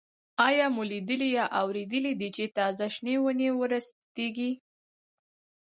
آیا مو لیدلي یا اورېدلي دي چې تازه شنې ونې ورستېږي؟